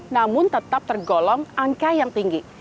namun tetap tergolong angka yang tinggi